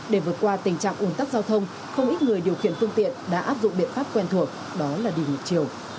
để vượt qua tình trạng ủn tắc giao thông không ít người điều khiển phương tiện đã áp dụng biện pháp quen thuộc đó là đi ngược chiều